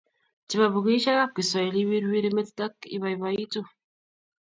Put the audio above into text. Chebo bukuisiekab kiswahili iwirwiri metit ak ibaibaitu